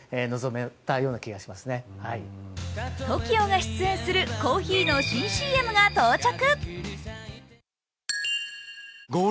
ＴＯＫＩＯが出演するコーヒーの新ＣＭが到着。